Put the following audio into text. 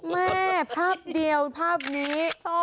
แม่ภาพเดียวภาพนี้